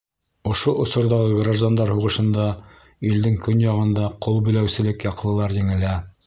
Ошо осорҙағы граждандар һуғышында илдең көньяғында ҡол биләүселек яҡлылар еңелә.